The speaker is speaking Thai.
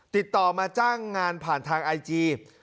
ติดต่อมาจ้างงานผ่านทางไอจี